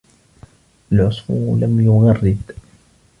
الْعَصْفُورُ لَمْ يُغَرِّدْ.